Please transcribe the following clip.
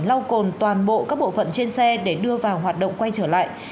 lau cồn toàn bộ các bộ phận trên xe để đưa vào hoạt động quay trở lại